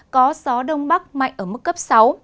có gió đông bắc mạnh ở mức cấp sáu